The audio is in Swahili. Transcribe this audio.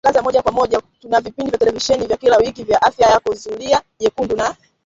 Mbali na matangazo ya moja kwa moja tuna vipindi vya televisheni vya kila wiki vya Afya Yako Zulia Jekundu na